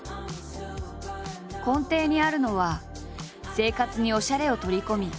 根底にあるのは生活におしゃれを取り込み